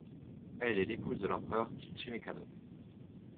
Elle est l'épouse de l'empereur Tsuchimikado.